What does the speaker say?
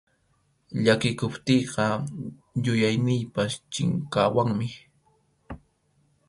Llakikuptiyqa yuyayniypas chinkawanmi.